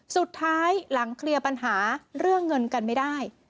สุดท้ายหลังเคลียร์ปัญหาเรื่องเงินกันไม่ได้